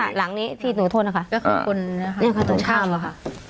เนี้ยค่ะหลังนี้พี่หนูโทษนะคะแล้วขอบคุณนะครับเนี้ยค่ะตรงข้ามล่ะค่ะ